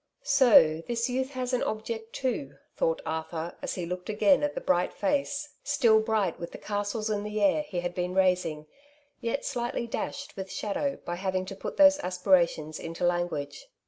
" So this youth has an object too," thought Arthur as he looked again at the bright face, still bright with the castles in the air he had been raising, yet slightly dashed with shadow by having to put those' aspirations into language.